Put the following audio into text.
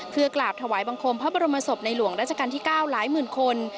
เพื่อกราบถวายบังคมพระบรมศพในหลวงราชการที่๙หลายหมื่นคน